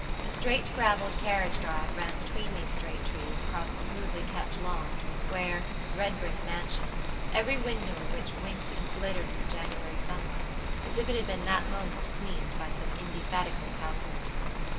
A straight graveled carriage drive ran between these straight trees across a smoothly kept lawn to a square red brick mansion, every window of which winked and glittered in the January sunlight as if it had been that moment cleaned by some indefatigable housemaid.